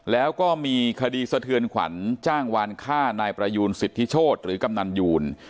แล้วก็มีคดีสะเทือนขวัญจ้างวานฆ่านายประยูนสิทธิโชธหรือกำนันยูน